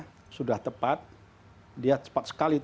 kalau dia tepat dia cepat sekali